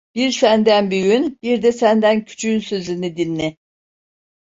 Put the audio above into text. Bir senden büyüğün, bir de senden küçüğün sözünü dinle.